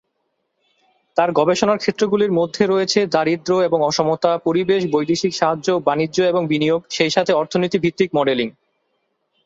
তার গবেষণার ক্ষেত্রগুলির মধ্যে রয়েছে দারিদ্র্য এবং অসমতা, পরিবেশ, বৈদেশিক সাহায্য, বাণিজ্য এবং বিনিয়োগ, সেইসাথে অর্থনীতি-ভিত্তিক মডেলিং।